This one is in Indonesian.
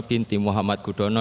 putri bapak haji muhammad gudono